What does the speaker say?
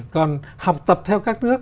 còn học tập theo các nước